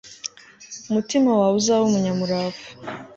umutima wawe uzabe umunyamurava